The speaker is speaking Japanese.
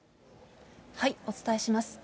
お伝えします。